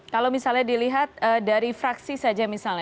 kalau misalnya dilihat dari fraksi saja misalnya